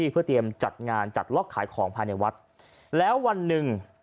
เพื่อเตรียมจัดงานจัดล็อกขายของภายในวัดแล้ววันหนึ่ง